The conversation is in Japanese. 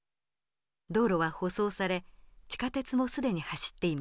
道路は舗装され地下鉄も既に走っていました。